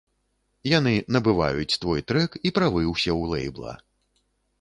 Яны набываюць твой трэк і правы ўсе ў лэйбла.